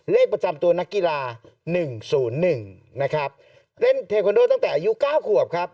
ประจำตัวนักกีฬา๑๐๑นะครับเล่นเทคอนโดตั้งแต่อายุ๙ขวบครับ